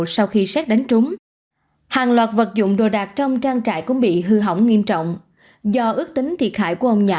sau khi xét đánh trúng hàng loạt vật dụng đồ đạc trong trang trại cũng bị hư hỏng nghiêm trọng do ước tính thiệt hại của ông nhà